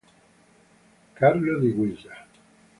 Carlo di Guisa